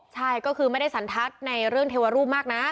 ใช่ก็คือไม่ได้สันทัศน์ในเรื่องเทวรูปมากนะ